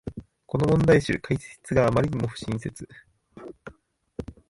この問題集、解説があまりに不親切